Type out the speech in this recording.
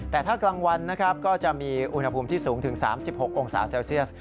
แต่ถ้ากลางวันนะครับก็จะมีอุณหภูมิที่สูงถึง๓๖องศาเซลเซียส